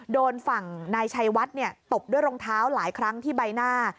โดนฝั่งนายชัยวัดตบด้วยรองเท้าหลายครั้งที่ใบหน้า